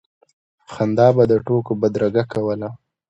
خندا به د ټوکو بدرګه کوله.